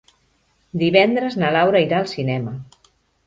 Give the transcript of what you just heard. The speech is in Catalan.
Divendres na Laura irà al cinema.